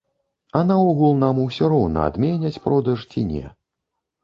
А наогул нам усё роўна, адменяць продаж ці не.